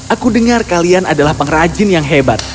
aku dengar kalian adalah pengrajin yang hebat